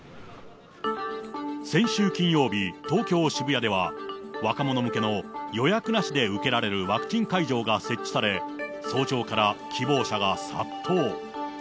先週金曜日、東京・渋谷では、若者向けの予約なしで受けられるワクチン会場が設置され、早朝から希望者が殺到。